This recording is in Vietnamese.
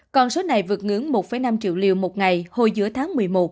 còn số này vượt ngưỡng một năm triệu liều một ngày hồi giữa tháng một mươi một